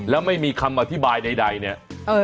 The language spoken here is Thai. แล้วไม่มีคำอธิบายใดเนี่ย